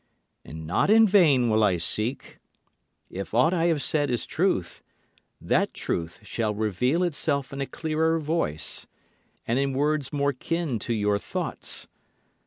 And not in vain will I seek. If aught I have said is truth, that truth shall reveal itself in a clearer voice, and in words more kin to your thoughts.